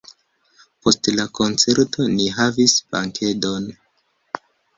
Post la koncerto ni havis bankedon.